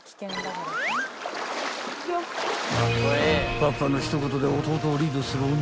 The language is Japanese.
［パパの一言で弟をリードするお兄ちゃん］